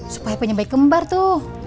supaya punya bayi kembar tuh